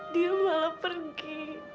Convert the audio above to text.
dia malah pergi